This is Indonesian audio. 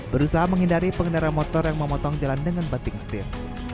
berusaha menghindari pengendara motor yang memotong jalan dengan banting setir